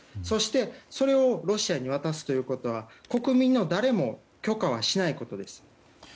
そして、それをロシアに渡すということは国民の誰も許可はしないことです。